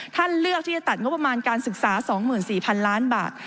เลือกที่จะตัดงบประมาณการศึกษา๒๔๐๐๐ล้านบาท